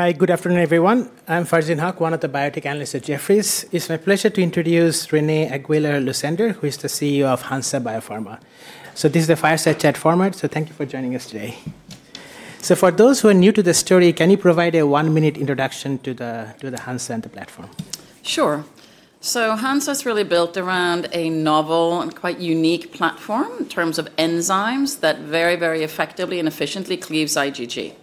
Hi, good afternoon, everyone. I'm Farzin Haque, one of the biotech analysts at Jefferies. It's my pleasure to introduce Renée Aguiar-Lucander, who is the CEO of Hansa Biopharma. This is the fireside chat format, so thank you for joining us today. For those who are new to the story, can you provide a one-minute introduction to Hansa and the platform? Sure. Hansa is really built around a novel and quite unique platform in terms of enzymes that very, very effectively and efficiently cleaves IgG.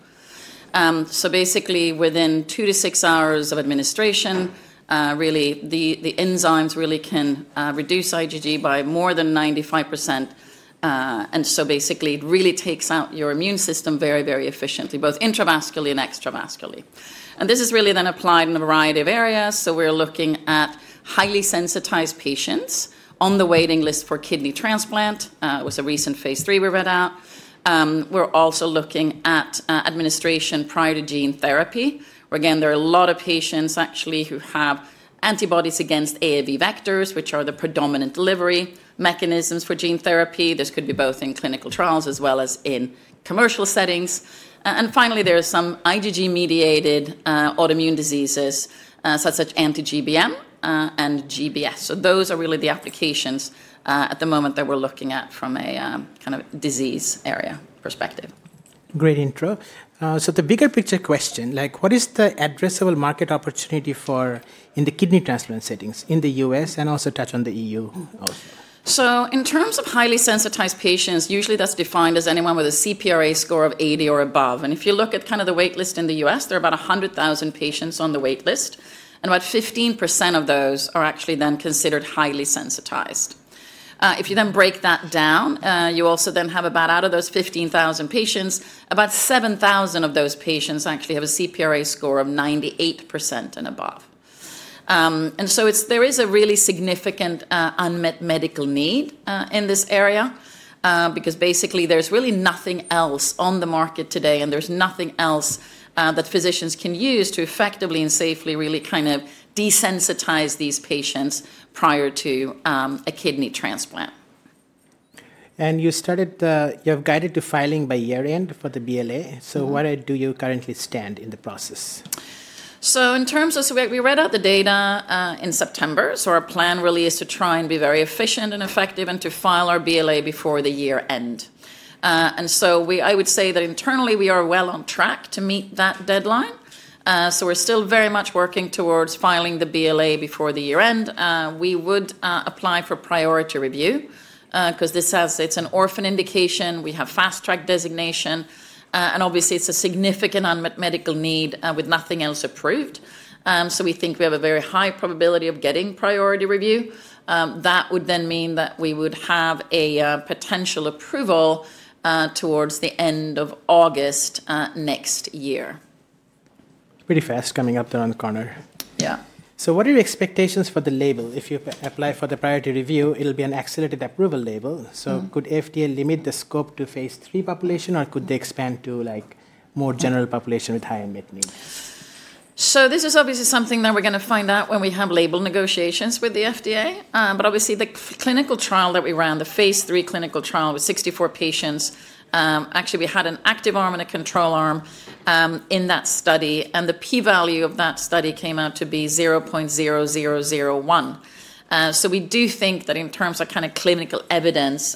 Basically, within two to six hours of administration, the enzymes really can reduce IgG by more than 95%. Basically, it really takes out your immune system very, very efficiently, both intravascularly and extravascularly. This is really then applied in a variety of areas. We are looking at highly sensitized patients on the waiting list for kidney transplant. It was a recent Phase III we read out. We are also looking at administration prior to gene therapy, where, again, there are a lot of patients, actually, who have antibodies against AAV vectors, which are the predominant delivery mechanisms for gene therapy. This could be both in clinical trials as well as in commercial settings. Finally, there are some IgG-mediated autoimmune diseases, such as anti-GBM and GBS. Those are really the applications at the moment that we're looking at from a kind of disease area perspective. Great intro. The bigger picture question, like, what is the addressable market opportunity for in the kidney transplant settings in the U.S. and also touch on the EU? In terms of highly sensitized patients, usually that's defined as anyone with a CPRA score of 80% or above. If you look at kind of the waitlist in the U.S., there are about 100,000 patients on the waitlist, and about 15% of those are actually then considered highly sensitized. If you then break that down, you also then have about, out of those 15,000 patients, about 7,000 of those patients actually have a CPRA score of 98% and above. There is a really significant unmet medical need in this area because, basically, there's really nothing else on the market today, and there's nothing else that physicians can use to effectively and safely really kind of desensitize these patients prior to a kidney transplant. You started, you have guided to filing by year-end for the BLA. Where do you currently stand in the process? In terms of, we read out the data in September. Our plan really is to try and be very efficient and effective and to file our BLA before the year-end. I would say that, internally, we are well on track to meet that deadline. We're still very much working towards filing the BLA before the year-end. We would apply for priority review because this has, it's an orphan indication. We have fast-track designation. Obviously, it's a significant unmet medical need with nothing else approved. We think we have a very high probability of getting priority review. That would then mean that we would have a potential approval towards the end of August next year. Pretty fast coming up there on the corner. Yeah. What are your expectations for the label? If you apply for the priority review, it'll be an accelerated approval label. Could FDA limit the scope to Phase III population, or could they expand to more general population with high unmet needs? This is obviously something that we're going to find out when we have label negotiations with the FDA. Obviously, the clinical trial that we ran, the Phase III clinical trial with 64 patients, actually, we had an active arm and a control arm in that study. The p-value of that study came out to be 0.0001. We do think that, in terms of kind of clinical evidence,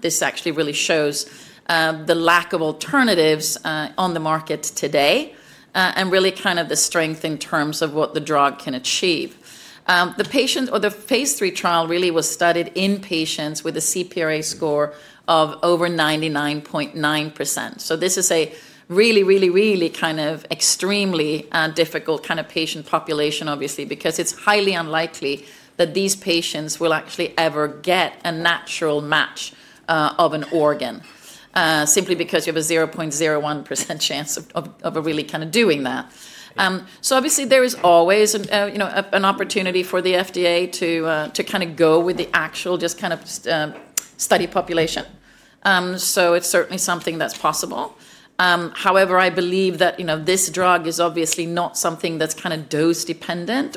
this actually really shows the lack of alternatives on the market today and really kind of the strength in terms of what the drug can achieve. The patient or the Phase III trial really was studied in patients with a CPRA score of over 99.9%. This is a really, really, really kind of extremely difficult kind of patient population, obviously, because it's highly unlikely that these patients will actually ever get a natural match of an organ simply because you have a 0.01% chance of really kind of doing that. Obviously, there is always an opportunity for the FDA to kind of go with the actual just kind of study population. It's certainly something that's possible. However, I believe that this drug is obviously not something that's kind of dose-dependent.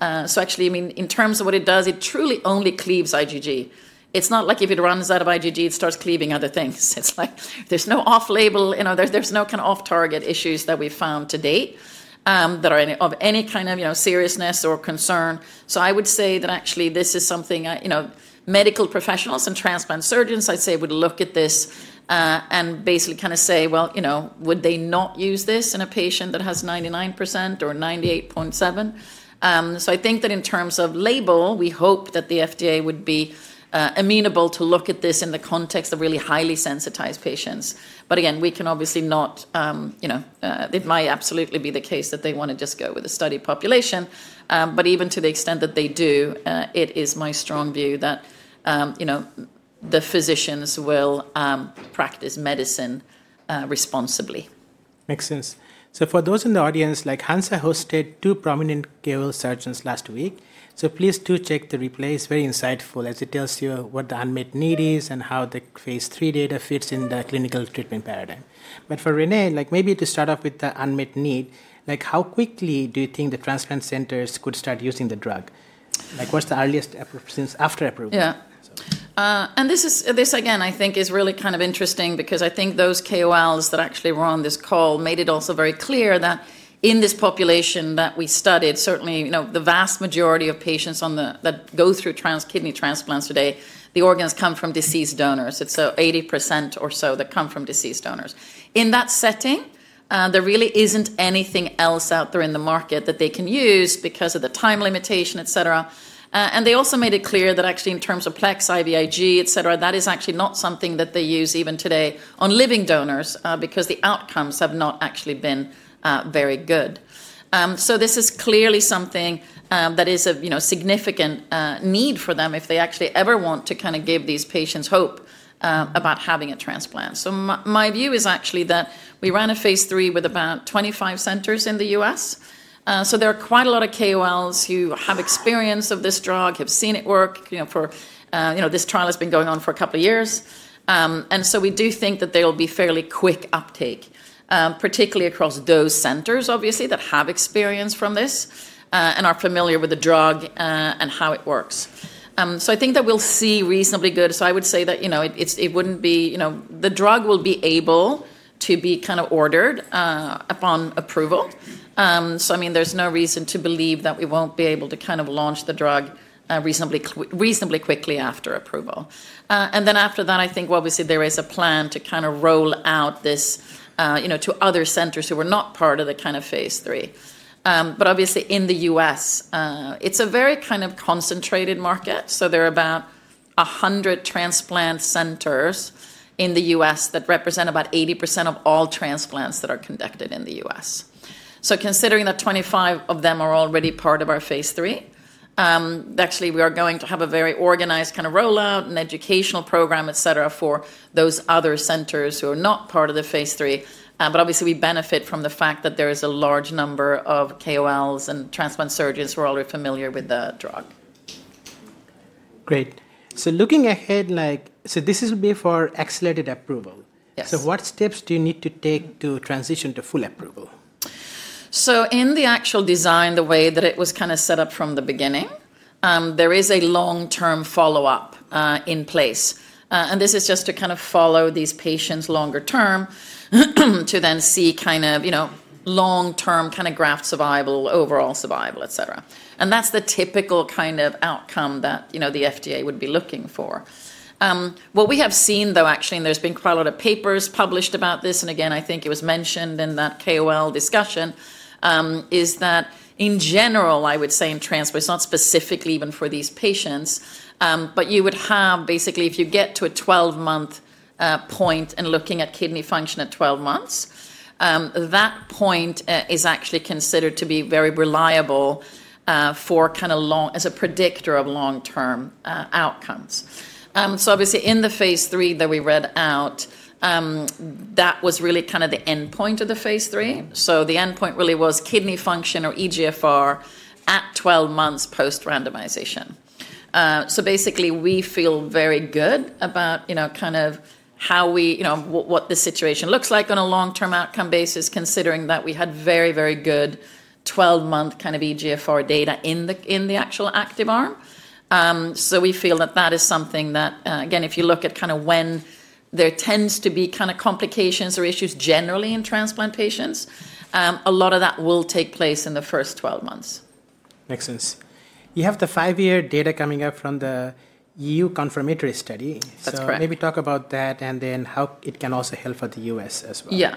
Actually, I mean, in terms of what it does, it truly only cleaves IgG. It's not like if it runs out of IgG, it starts cleaving other things. There's no off-label. There's no kind of off-target issues that we've found to date that are of any kind of seriousness or concern. I would say that, actually, this is something medical professionals and transplant surgeons, I'd say, would look at this and basically kind of say, well, would they not use this in a patient that has 99% or 98.7%? I think that, in terms of label, we hope that the FDA would be amenable to look at this in the context of really highly sensitized patients. Again, we can obviously not, it might absolutely be the case that they want to just go with the study population. Even to the extent that they do, it is my strong view that the physicians will practice medicine responsibly. Makes sense. For those in the audience, like Hansa hosted two prominent KOL surgeons last week. Please do check the replay. It is very insightful as it tells you what the unmet need is and how the Phase III data fits in the clinical treatment paradigm. For Renée, maybe to start off with the unmet need, how quickly do you think the transplant centers could start using the drug? What is the earliest since after approval? Yeah. This, again, I think, is really kind of interesting because I think those KOLs that actually were on this call made it also very clear that in this population that we studied, certainly, the vast majority of patients that go through kidney transplants today, the organs come from deceased donors. It is 80% or so that come from deceased donors. In that setting, there really is not anything else out there in the market that they can use because of the time limitation, et cetera. They also made it clear that, actually, in terms of PLEX, IVIG, et cetera, that is actually not something that they use even today on living donors because the outcomes have not actually been very good. This is clearly something that is a significant need for them if they actually ever want to kind of give these patients hope about having a transplant. My view is actually that we ran a Phase III with about 25 centers in the U.S. There are quite a lot of KOLs who have experience of this drug, have seen it work. This trial has been going on for a couple of years. We do think that there will be fairly quick uptake, particularly across those centers, obviously, that have experience from this and are familiar with the drug and how it works. I think that we'll see reasonably good. I would say that it wouldn't be the drug will be able to be kind of ordered upon approval. I mean, there's no reason to believe that we won't be able to kind of launch the drug reasonably quickly after approval. After that, I think, obviously, there is a plan to kind of roll out this to other centers who are not part of the kind of Phase III. Obviously, in the U.S., it's a very kind of concentrated market. There are about 100 transplant centers in the U.S. that represent about 80% of all transplants that are conducted in the U.S. Considering that 25 of them are already part of our Phase III, actually, we are going to have a very organized kind of rollout and educational program, et cetera, for those other centers who are not part of the Phase III. Obviously, we benefit from the fact that there is a large number of KOLs and transplant surgeons who are already familiar with the drug. Great. Looking ahead, this would be for accelerated approval. Yes. What steps do you need to take to transition to full approval? In the actual design, the way that it was kind of set up from the beginning, there is a long-term follow-up in place. This is just to kind of follow these patients longer term to then see kind of long-term graft survival, overall survival, et cetera. That's the typical kind of outcome that the FDA would be looking for. What we have seen, though, actually, and there's been quite a lot of papers published about this, and again, I think it was mentioned in that KOL discussion, is that, in general, I would say in transplant, it's not specifically even for these patients, but you would have, basically, if you get to a 12-month point and looking at kidney function at 12 months, that point is actually considered to be very reliable as a predictor of long-term outcomes. Obviously, in the Phase III that we read out, that was really kind of the endpoint of the Phase III. The endpoint really was kidney function or eGFR at 12 months post-randomization. Basically, we feel very good about kind of how we what the situation looks like on a long-term outcome basis, considering that we had very, very good 12-month kind of eGFR data in the actual active arm. We feel that that is something that, again, if you look at kind of when there tends to be kind of complications or issues generally in transplant patients, a lot of that will take place in the first 12 months. Makes sense. You have the five-year data coming up from the EU confirmatory study. That's correct. Maybe talk about that and then how it can also help for the US as well. Yeah.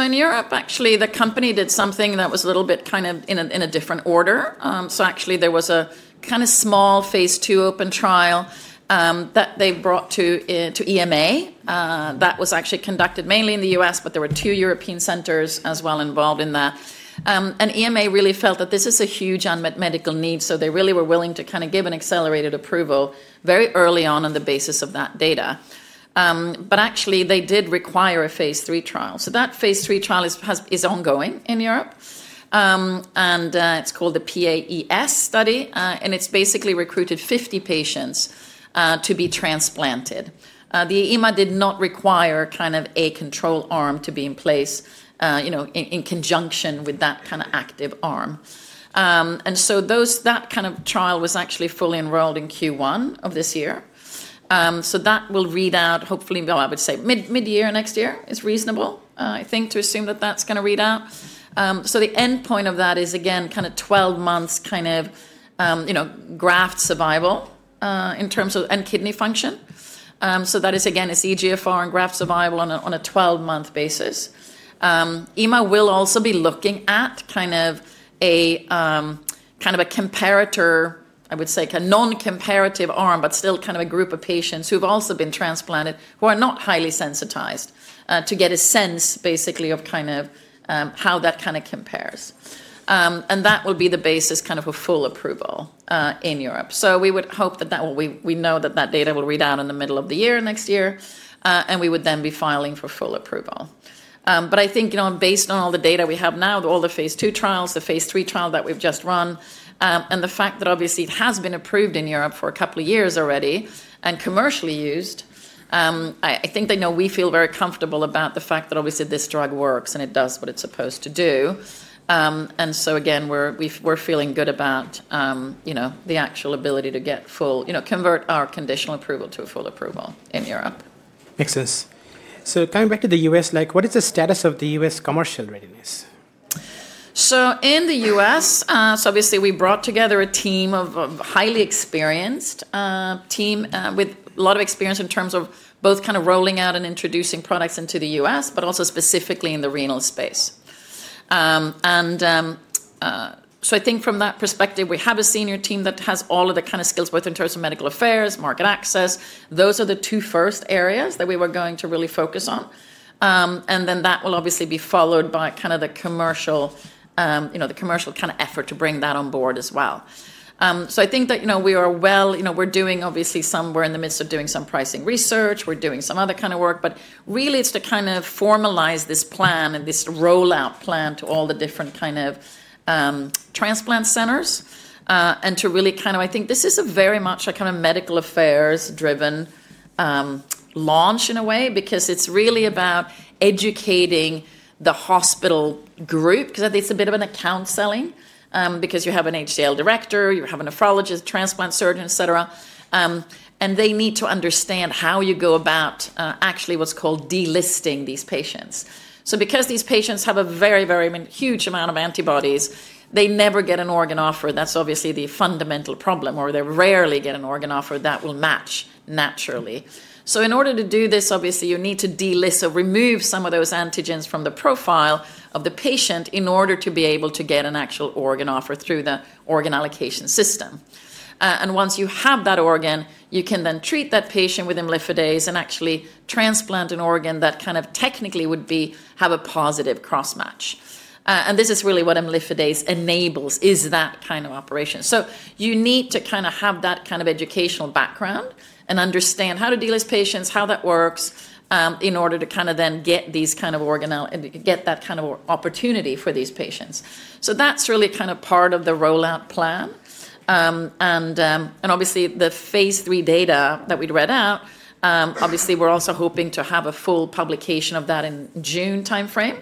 In Europe, actually, the company did something that was a little bit kind of in a different order. There was a kind of small Phase II open trial that they brought to EMA that was actually conducted mainly in the US, but there were two European centers as well involved in that. EMA really felt that this is a huge unmet medical need, so they really were willing to kind of give an accelerated approval very early on on the basis of that data. They did require a Phase III trial. That Phase III trial is ongoing in Europe. It's called the PAES study. It's basically recruited 50 patients to be transplanted. The EMA did not require kind of a control arm to be in place in conjunction with that kind of active arm. That kind of trial was actually fully enrolled in Q1 of this year. That will read out, hopefully, I would say mid-year next year is reasonable, I think, to assume that is going to read out. The endpoint of that is, again, 12 months graft survival in terms of and kidney function. That is, again, eGFR and graft survival on a 12-month basis. EMA will also be looking at a comparator, I would say, a non-comparative arm, but still a group of patients who have also been transplanted who are not highly sensitized to get a sense, basically, of how that compares. That will be the basis for full approval in Europe. We would hope that that data will read out in the middle of the year next year, and we would then be filing for full approval. I think, based on all the data we have now, all the Phase II trials, the Phase III trial that we've just run, and the fact that, obviously, it has been approved in Europe for a couple of years already and commercially used, I think they know we feel very comfortable about the fact that, obviously, this drug works and it does what it's supposed to do. Again, we're feeling good about the actual ability to get full convert our conditional approval to a full approval in Europe. Makes sense. Coming back to the U.S., what is the status of the U.S. commercial readiness? In the U.S., obviously, we brought together a highly experienced team with a lot of experience in terms of both kind of rolling out and introducing products into the US, but also specifically in the renal space. I think, from that perspective, we have a senior team that has all of the kind of skills both in terms of medical affairs, market access. Those are the two first areas that we were going to really focus on. That will obviously be followed by kind of the commercial kind of effort to bring that on board as well. I think that we are, well, we're doing, obviously, some, we're in the midst of doing some pricing research. We're doing some other kind of work. Really, it's to kind of formalize this plan and this rollout plan to all the different kind of transplant centers and to really kind of, I think this is a very much a kind of medical affairs-driven launch in a way because it's really about educating the hospital group because I think it's a bit of an account selling because you have an HLA director, you have a nephrologist, transplant surgeon, et cetera. They need to understand how you go about actually what's called delisting these patients. Because these patients have a very, very huge amount of antibodies, they never get an organ offer. That's obviously the fundamental problem, or they rarely get an organ offer that will match naturally. In order to do this, obviously, you need to delist or remove some of those antigens from the profile of the patient in order to be able to get an actual organ offer through the organ allocation system. Once you have that organ, you can then treat that patient with Imlifidase and actually transplant an organ that kind of technically would have a positive crossmatch. This is really what Imlifidase enables, is that kind of operation. You need to kind of have that kind of educational background and understand how to deal with these patients, how that works in order to kind of then get these kind of organ, get that kind of opportunity for these patients. That is really kind of part of the rollout plan. Obviously, the Phase III data that we read out, obviously, we're also hoping to have a full publication of that in June timeframe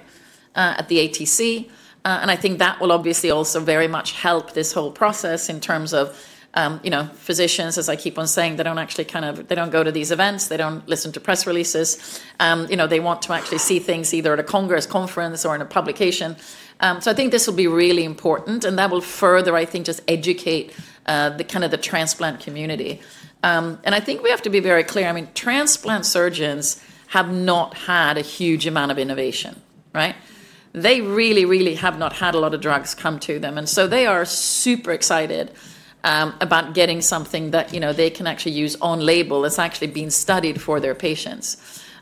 at the ATC. I think that will obviously also very much help this whole process in terms of physicians, as I keep on saying, they don't actually kind of they don't go to these events. They don't listen to press releases. They want to actually see things either at a Congress conference or in a publication. I think this will be really important. That will further, I think, just educate the kind of the transplant community. I think we have to be very clear. I mean, transplant surgeons have not had a huge amount of innovation, right? They really, really have not had a lot of drugs come to them. They are super excited about getting something that they can actually use on label that has actually been studied for their patients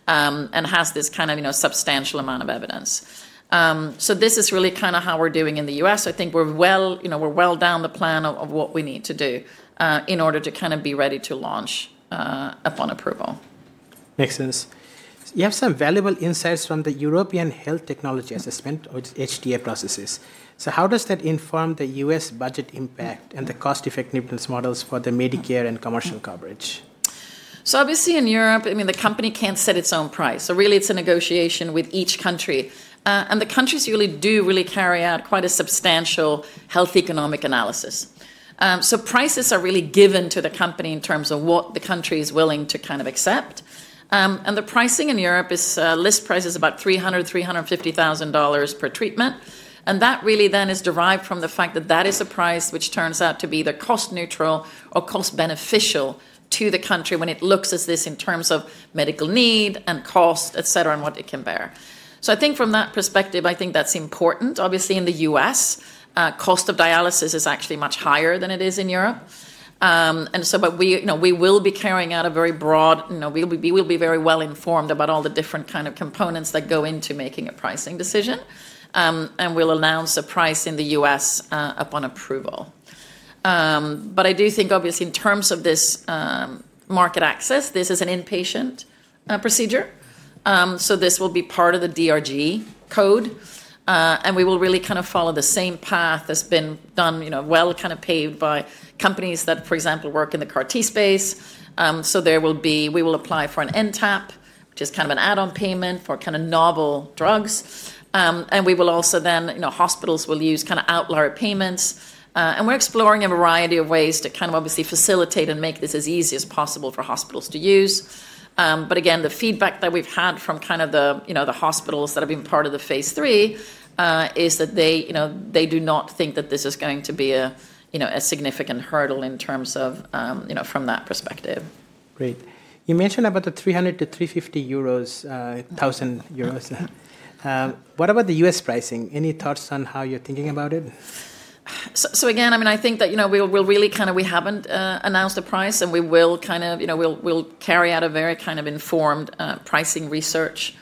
and has this kind of substantial amount of evidence. This is really kind of how we're doing in the US. I think we're well down the plan of what we need to do in order to kind of be ready to launch upon approval. Makes sense. You have some valuable insights from the European Health Technology Assessment, or its HTA processes. How does that inform the U.S. budget impact and the cost-effectiveness models for the Medicare and commercial coverage? Obviously, in Europe, I mean, the company can't set its own price. Really, it's a negotiation with each country. The countries really do carry out quite a substantial health economic analysis. Prices are really given to the company in terms of what the country is willing to kind of accept. The pricing in Europe is list prices about $300,000–$350,000 per treatment. That really then is derived from the fact that that is a price which turns out to be either cost-neutral or cost-beneficial to the country when it looks at this in terms of medical need and cost, et cetera, and what it can bear. I think from that perspective, I think that's important. Obviously, in the U.S., cost of dialysis is actually much higher than it is in Europe. We will be carrying out a very broad, we will be very well informed about all the different kind of components that go into making a pricing decision. We will announce a price in the U.S. upon approval. I do think, obviously, in terms of this market access, this is an inpatient procedure. This will be part of the DRG code. We will really kind of follow the same path that's been done, well, kind of paved by companies that, for example, work in the CAR-T space. We will apply for an NTAP, which is kind of an add-on payment for kind of novel drugs. Hospitals will use kind of outlier payments. We are exploring a variety of ways to kind of obviously facilitate and make this as easy as possible for hospitals to use. Again, the feedback that we've had from kind of the hospitals that have been part of the Phase III is that they do not think that this is going to be a significant hurdle in terms of from that perspective. Great. You mentioned about the 300,000–350,000 euros. What about the U.S. pricing? Any thoughts on how you're thinking about it? Again, I mean, I think that we'll really kind of we haven't announced a price. We will kind of we'll carry out a very kind of informed pricing research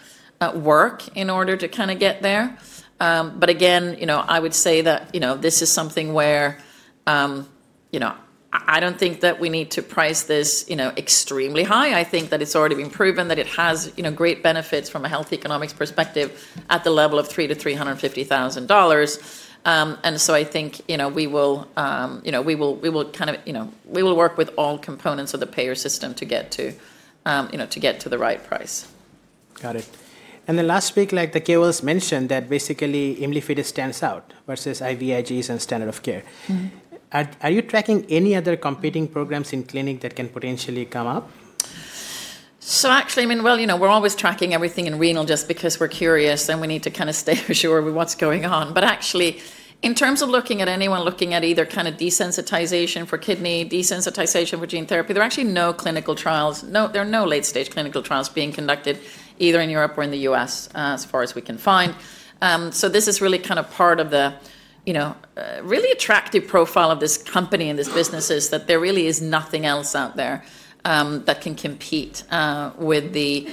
work in order to kind of get there. Again, I would say that this is something where I don't think that we need to price this extremely high. I think that it's already been proven that it has great benefits from a health economics perspective at the level of $300,000–$350,000. I think we will kind of we will work with all components of the payer system to get to the right price. Got it. Last week, like the KOLs mentioned, that basically imlifidase stands out versus IVIGs and standard of care. Are you tracking any other competing programs in clinic that can potentially come up? Actually, I mean, we're always tracking everything in renal just because we're curious and we need to kind of stay sure what's going on. Actually, in terms of looking at anyone looking at either kind of desensitization for kidney, desensitization for gene therapy, there are actually no clinical trials. There are no late-stage clinical trials being conducted either in Europe or in the U.S., as far as we can find. This is really kind of part of the really attractive profile of this company and this business is that there really is nothing else out there that can compete with the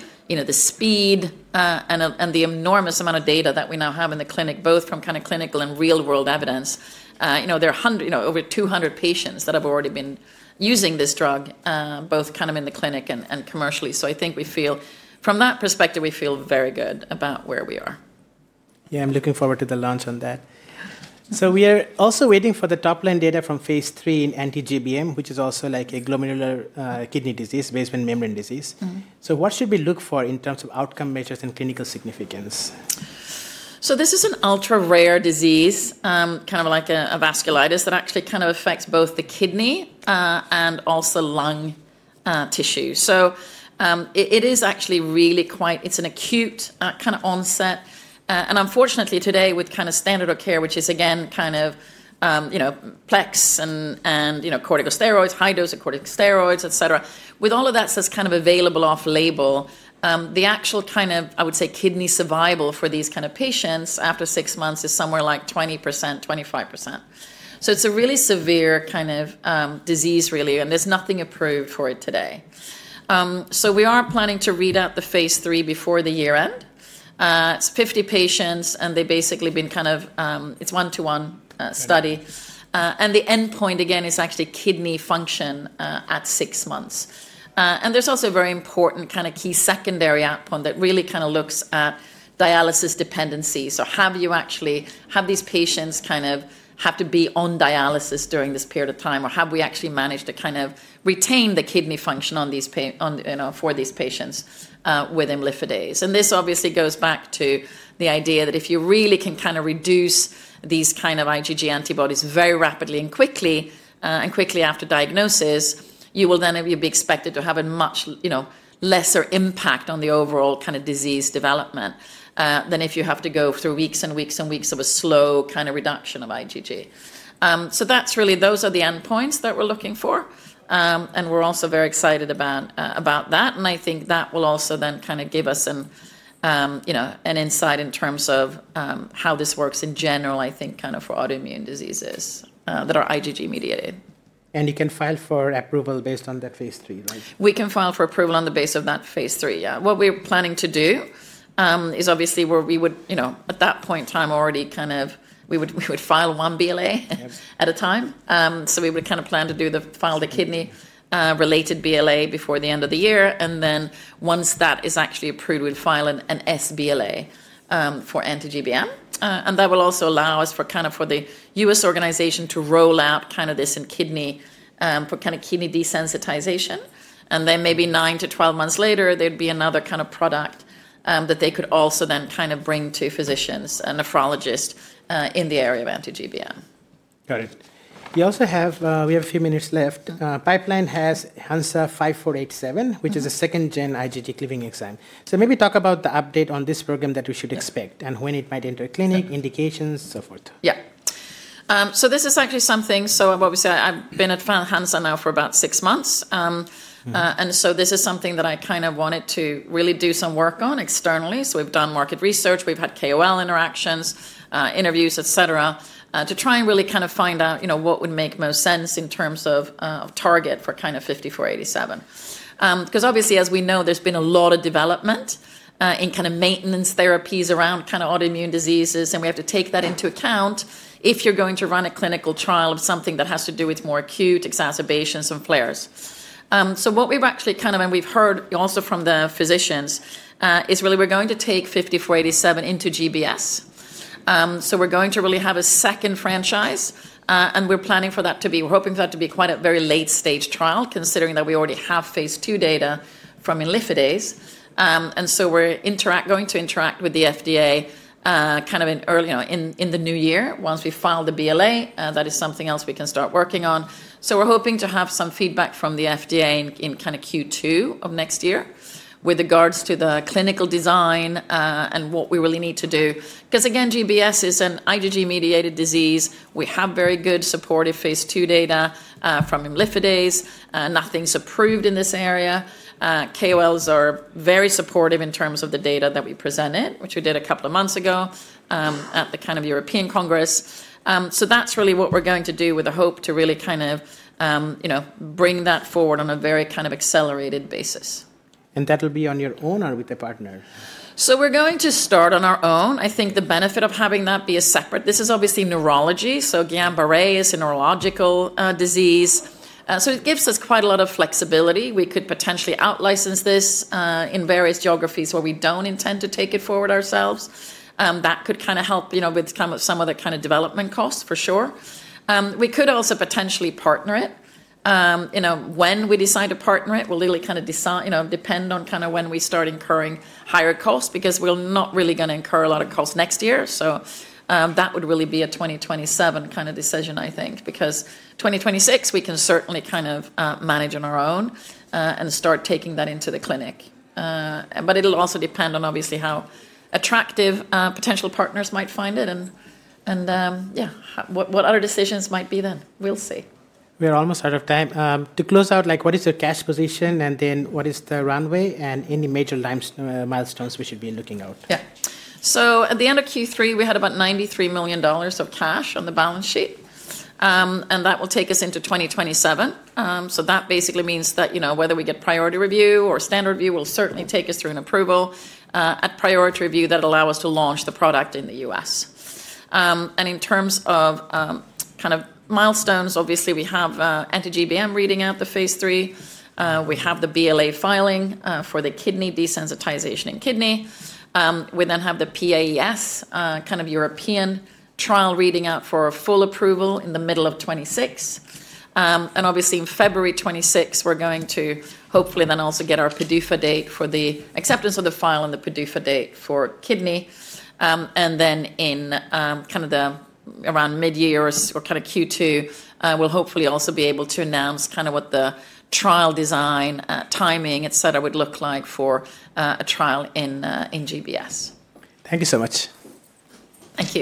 speed and the enormous amount of data that we now have in the clinic, both from kind of clinical and real-world evidence. There are over 200 patients that have already been using this drug, both kind of in the clinic and commercially. I think we feel from that perspective, we feel very good about where we are. Yeah, I'm looking forward to the launch on that. We are also waiting for the top-line data from Phase III in anti-GBM, which is also like a glomerular kidney disease, basement membrane disease. What should we look for in terms of outcome measures and clinical significance? This is an ultra-rare disease, kind of like a vasculitis, that actually kind of affects both the kidney and also lung tissue. It is actually really quite, it's an acute kind of onset. Unfortunately, today, with kind of standard of care, which is, again, kind of PLEX and corticosteroids, high-dose of corticosteroids, et cetera, with all of that that's kind of available off label, the actual kind of, I would say, kidney survival for these kind of patients after six months is somewhere like 20%–25%. It is a really severe kind of disease, really. There is nothing approved for it today. We are planning to read out the Phase III before the year end. It is 50 patients. They have basically been kind of, it's one-to-one study. The endpoint, again, is actually kidney function at six months. There is also a very important kind of key secondary outcome that really kind of looks at dialysis dependency. Have you actually had these patients kind of have to be on dialysis during this period of time? Or have we actually managed to kind of retain the kidney function for these patients with Imlifidase? This obviously goes back to the idea that if you really can kind of reduce these kind of IgG antibodies very rapidly and quickly, and quickly after diagnosis, you will then be expected to have a much lesser impact on the overall kind of disease development than if you have to go through weeks and weeks and weeks of a slow kind of reduction of IgG. Those are the endpoints that we are looking for. We are also very excited about that. I think that will also then kind of give us an insight in terms of how this works in general, I think, kind of for autoimmune diseases that are IgG mediated. You can file for approval based on that Phase III, right? We can file for approval on the basis of that Phase III, yeah. What we're planning to do is, obviously, we would at that point in time already kind of we would file one BLA at a time. We would kind of plan to do the file the kidney-related BLA before the end of the year. Once that is actually approved, we'd file an sBLA for anti-GBM. That will also allow us for kind of for the U.S. organization to roll out kind of this in kidney for kind of kidney desensitization. Maybe nine to twelve months later, there'd be another kind of product that they could also then kind of bring to physicians and nephrologists in the area of anti-GBM. Got it. We also have a few minutes left. Pipeline has Hansa 5487, which is a second-gen IgG cleaving enzyme. So maybe talk about the update on this program that we should expect and when it might enter clinic, indications, so forth. Yeah. So this is actually something, so obviously, I've been at Hansa now for about six months. And so this is something that I kind of wanted to really do some work on externally. So we've done market research. We've had KOL interactions, interviews, et cetera, to try and really kind of find out what would make most sense in terms of target for kind of 5487. Because obviously, as we know, there's been a lot of development in kind of maintenance therapies around kind of autoimmune diseases. And we have to take that into account if you're going to run a clinical trial of something that has to do with more acute exacerbations and flares. So what we've actually kind of, and we've heard also from the physicians, is really we're going to take 5487 into GBS. So we're going to really have a second franchise. We're planning for that to be, we're hoping for that to be, quite a very late-stage trial, considering that we already have Phase II data from imlifidase. We're going to interact with the FDA kind of early in the new year. Once we file the BLA, that is something else we can start working on. We're hoping to have some feedback from the FDA in kind of Q2 of next year with regards to the clinical design and what we really need to do. Because again, GBS is an IgG mediated disease. We have very good supportive Phase II data from imlifidase. Nothing's approved in this area. KOLs are very supportive in terms of the data that we presented, which we did a couple of months ago at the kind of European Congress. That's really what we're going to do with the hope to really kind of bring that forward on a very kind of accelerated basis. Will that be on your own or with a partner? We're going to start on our own. I think the benefit of having that be a separate, this is obviously neurology. Guillain-Barré is a neurological disease, so it gives us quite a lot of flexibility. We could potentially out-license this in various geographies where we do not intend to take it forward ourselves. That could kind of help with some of the development costs, for sure. We could also potentially partner it. When we decide to partner it will really depend on when we start incurring higher costs because we're not really going to incur a lot of costs next year. That would really be a 2027 kind of decision, I think, because 2026 we can certainly manage on our own and start taking that into the clinic. It'll also depend on, obviously, how attractive potential partners might find it and, yeah, what other decisions might be then. We'll see. We are almost out of time. To close out, what is your cash position? And then what is the runway and any major milestones we should be looking out? Yeah. At the end of Q3, we had about $93 million of cash on the balance sheet. That will take us into 2027. That basically means that whether we get priority review or standard review, it will certainly take us through an approval at priority review that will allow us to launch the product in the US. In terms of kind of milestones, obviously, we have anti-GBM reading out the Phase III. We have the BLA filing for the kidney desensitization in kidney. We then have the PAES kind of European trial reading out for a full approval in the middle of 2026. Obviously, in February 2026, we are going to hopefully then also get our PDUFA date for the acceptance of the file and the PDUFA date for kidney. In kind of the around mid-year or kind of Q2, we'll hopefully also be able to announce kind of what the trial design, timing, et cetera, would look like for a trial in GBS. Thank you so much. Thank you.